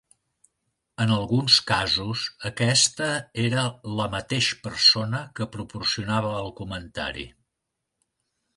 En alguns casos, aquesta era la mateix persona que proporcionava el comentari.